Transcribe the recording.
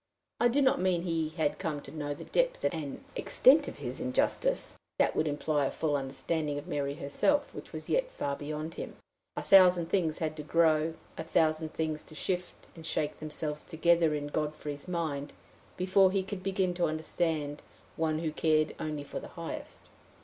I do not mean he had come to know the depth and extent of his injustice that would imply a full understanding of Mary herself, which was yet far beyond him. A thousand things had to grow, a thousand things to shift and shake themselves together in Godfrey's mind, before he could begin to understand one who cared only for the highest.